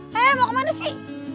hei mau kemana sih